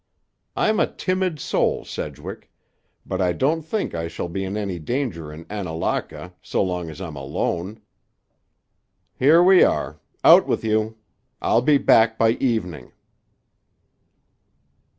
I'm a timid soul, Sedgwick; but I don't think I shall be in any danger in Annalaka so long as I'm alone. Here we are. Out with you! I'll be back by evening."